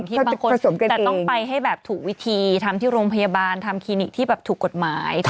บางคนแต่ต้องไปให้แบบถูกวิธีทำที่โรงพยาบาลทำคลินิกที่แบบถูกกฎหมาย